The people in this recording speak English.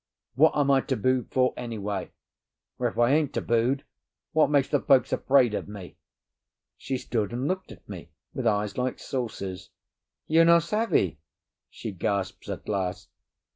What am I tabooed for, anyway? Or, if I ain't tabooed, what makes the folks afraid of me?" She stood and looked at me with eyes like saucers. "You no savvy?" she gasps at last.